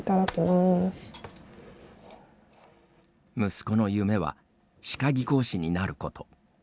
息子の夢は歯科技工士になること。